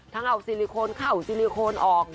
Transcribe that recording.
ทั้งเอาซิลิโคนเข้าซิลิโคนออก